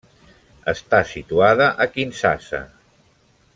Està situada a Kinshasa.